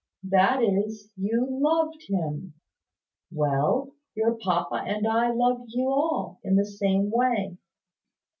"That is, you loved him. Well: your papa and I love you all, in the same way.